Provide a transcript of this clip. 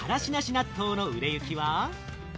納豆の売れ行きは？